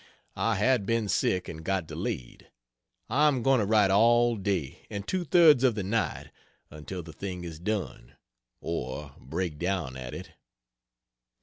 I had been sick and got delayed. I am going to write all day and two thirds of the night, until the thing is done, or break down at it.